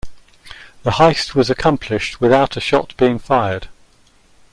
The heist was accomplished without a shot being fired.